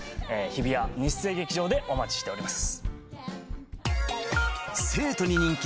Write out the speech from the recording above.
日比谷日生劇場でお待ちしております。